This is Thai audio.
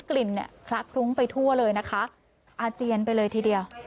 กลิ่นเนี่ยคละคลุ้งไปทั่วเลยนะคะอาเจียนไปเลยทีเดียว